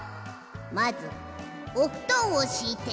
まずおふとんをしいて。